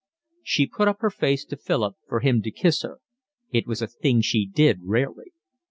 She put up her face to Philip for him to kiss her. It was a thing she did rarely.